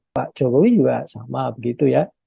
pak jokowi juga sama begitu ya